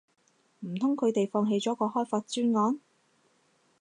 唔通佢哋放棄咗個開發專案